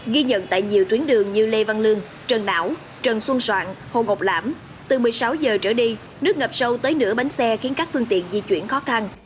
ghi nhận tại nhiều tuyến đường như lê văn lương trần não trần xuân soạn hồ ngọc lãm từ một mươi sáu giờ trở đi nước ngập sâu tới nửa bánh xe khiến các phương tiện di chuyển khó khăn